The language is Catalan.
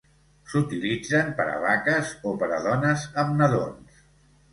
S'utilitzen per a vaques o per a dones amb nadons.